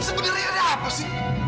sebenarnya ada apa sih